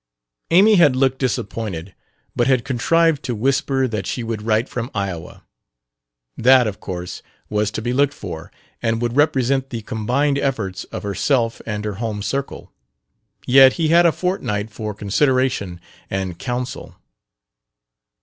Amy had looked disappointed, but had contrived to whisper that she would write from Iowa. That, of course, was to be looked for, and would represent the combined efforts of herself and her home circle; yet he had a fortnight for consideration and counsel.